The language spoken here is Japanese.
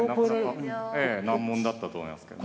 難問だったと思いますけどね。